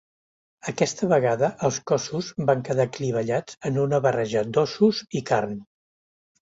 Aquesta vegada els cossos van quedar clivellats en una barreja d'ossos i carn.